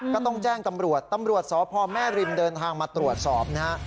ก็ต้องแจ้งตำรวจตำรวจสพแม่ริมเดินทางมาตรวจสอบนะฮะ